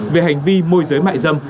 về hành vi mua dưới mại dâm